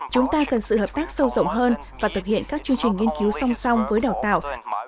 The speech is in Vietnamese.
chúng ta cần sự hợp tác sâu rộng hơn và thực hiện các chương trình nghiên cứu song song với đào tạo